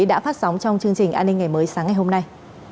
đã phát sóng trong chương trình an ninh ngày mới sáng ngày hôm nay